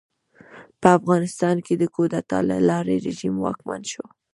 په افغانستان کې د کودتا له لارې رژیم واکمن شو.